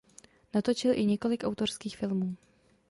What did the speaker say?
Natočil i několik autorských filmů.